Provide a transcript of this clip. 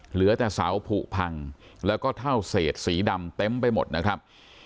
เหลือแต่เสาผูกพังแล้วก็เท่าเศษสีดำเต็มไปหมดนะครับ